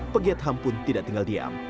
pegiat ham pun tidak tinggal diam